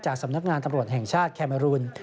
สำนักงานตำรวจแห่งชาติแคเมอรุณ